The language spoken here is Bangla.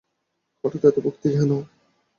হঠাৎ এত ভক্তি কেন?